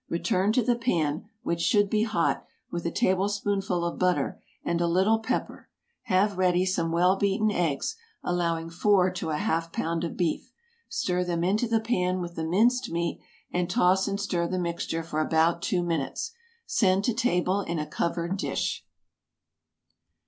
Return to the pan, which should be hot, with a tablespoonful of butter and a little pepper. Have ready some well beaten eggs, allowing four to a half pound of beef; stir them into the pan with the minced meat, and toss and stir the mixture for about two minutes. Send to table in a covered dish.